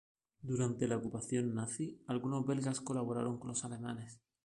Durante la ocupación nazi, algunos belgas colaboraron con los alemanes.